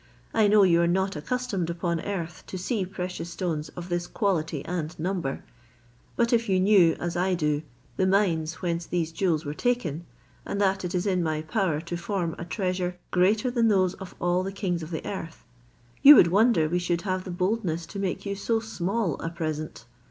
I know you are not accustomed upon earth to see precious stones of this quality and number: but if you knew, as I do, the mines whence these jewels were taken, and that it is in my power to form a treasure greater than those of all the kings of the earth, you would wonder we should have the boldness to make you so small a present.